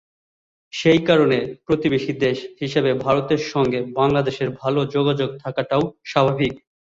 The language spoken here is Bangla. সেই কারণে প্রতিবেশী দেশ হিসেবে ভারতের সঙ্গে বাংলাদেশের ভালো যোগাযোগ থাকাটাও স্বাভাবিক।